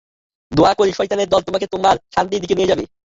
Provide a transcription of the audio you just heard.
দোয়া করি শয়তানের দল তোমাকে তোমার শান্তির দিকে নিয়ে যাবে।